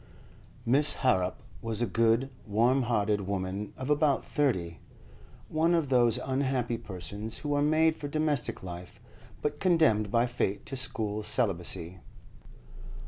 Miss Harrop was a good, warm hearted woman of about thirty, one of those unhappy persons who are made for domestic life, but condemned by fate to school celibacy.